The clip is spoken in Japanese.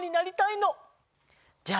じゃあ。